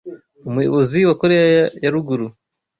Umuyobozi wa Koreya ya Ruguru